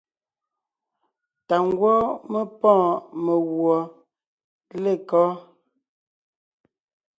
Tà ngwɔ́ mé pɔ́ɔn meguɔ lekɔ́?